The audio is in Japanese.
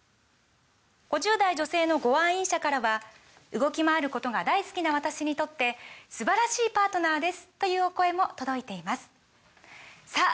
５０代女性のご愛飲者からは「動きまわることが大好きな私にとって素晴らしいパートナーです！」というお声も届いていますさあ